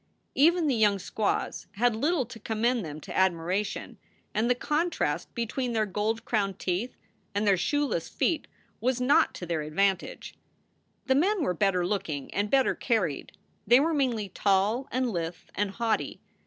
Even the young squaws had little to commend them to admiration, and the contrast between their gold crowned teeth and their shoeless feet was not to their advantage. The men were better looking and better carried. They were mainly tall and lithe and haughty.